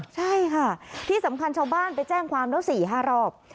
ใช่ค่ะที่สำคัญชาวบ้านไปแจ้งความแล้ว๔๕รอบ